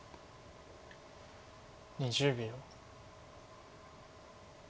２０秒。